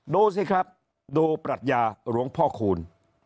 ดูสิครับดูปรัชญาหลวงพ่อคูณ